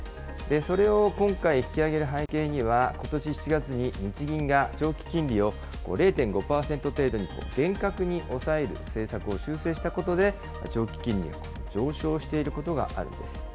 それを今回引き上げる背景には、ことし７月に、日銀が長期金利を０．５％程度に厳格に抑える政策を修正したことで、長期金利が上昇していることがあるんです。